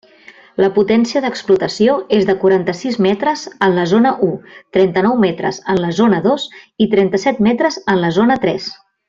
La potència d'explotació és de quaranta-sis metres en la zona u, trenta-nou metres en la zona dos i trenta-set metres en la zona tres.